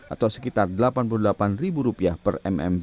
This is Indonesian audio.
atau sekitar delapan puluh dolar